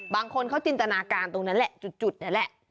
บางคนเขาจินตนาการตรงนั้นแหละจุดนี่แหละ